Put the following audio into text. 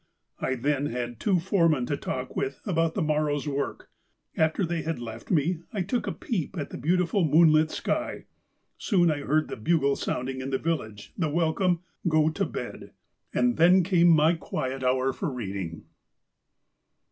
"I then had two foremen to talk with about the morrow's work. After they had left me, I took a peep at the beautiful moonlit sky. Soon I heard the bugle sounding in the village the welcome ' Go to bed,' and then came my quiet hour for '\ reading."